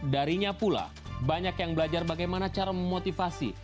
darinya pula banyak yang belajar bagaimana cara memotivasi